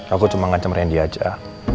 aku cuma ngancam randy aja